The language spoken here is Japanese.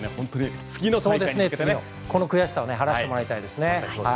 この悔しさを晴らしてもらいたいですね。